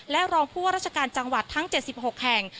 และรองผู้ว่าราชการจังหวัดทั้ง๗๖แห่ง